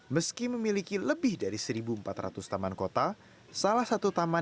meski memiliki lebih dari satu empat ratus taman kota